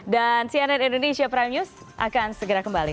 dan cnn indonesia prime news akan segera kembali